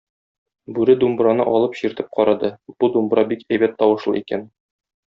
Бүре думбраны алып чиртеп карады, бу думбра бик әйбәт тавышлы икән.